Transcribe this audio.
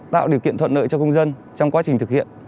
tạo điều kiện thuận lợi cho công dân trong quá trình thực hiện